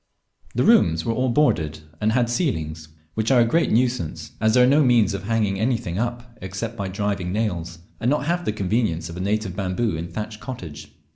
The rooms were all boarded, and had ceilings, which are a great nuisance, as there are no means of hanging anything up except by driving nails, and not half the conveniences of a native bamboo and thatch cottage.